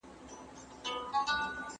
د دې وخت د زاهدانو په قرآن اعتبار نسته